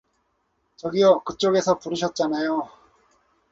저기요, 그 쪽에서 부르셨잖아요.